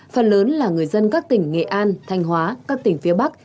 phần lớn là người dân các tỉnh nghệ an thanh hóa các tỉnh phía bắc